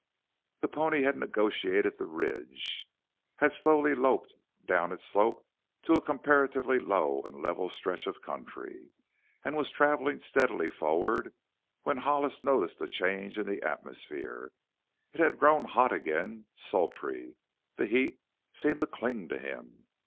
The pony had negotiated the ridge; had slowly loped down its slope to a comparatively low and level stretch of country, and was traveling steadily forward, when Hollis noticed a change in the atmosphere. It had grown hot again sultry; the heat seemed to cling to him.